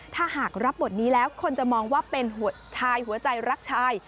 ถ้าหากรับบทนี้แล้วคนจะมองว่าเป็นชายหัวใจรักชาย